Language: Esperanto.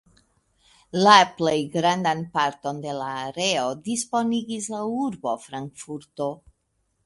La plej grandan parton de la areo disponigis la urbo Frankfurto.